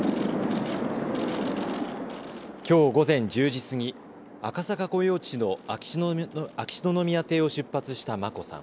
きょう午前１０時過ぎ、赤坂御用地の秋篠宮邸を出発した眞子さん。